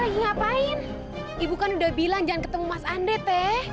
mas tete lg ngapain ketika ibu bilang jangan ketemu mas andrest